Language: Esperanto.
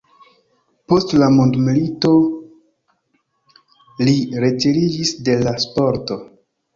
Post la mondomilito li retiriĝis de la sporto.